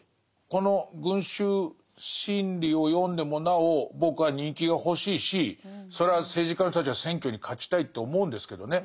この「群衆心理」を読んでもなお僕は人気が欲しいしそれは政治家の人たちは選挙に勝ちたいって思うんですけどね